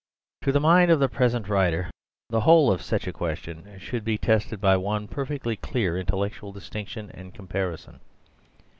To the mind of the present writer the whole of such a question should be tested by one perfectly clear intellectual distinction and comparison.